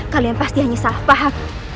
kalian pasti hanya salah paham